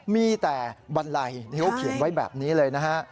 มีแต่บันไลที่เขาเขียนไว้แบบนี้เลยนะฮะ